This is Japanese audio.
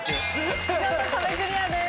見事壁クリアです。